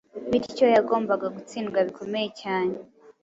bityo yagombaga gutsindwa bikomeye cyane.